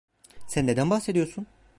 Sen neyden bahsediyorsun?